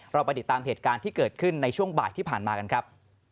เราไปติดตามเหตุการณ์ที่เกิดขึ้นในช่วงบ่ายที่ผ่านมากันครับ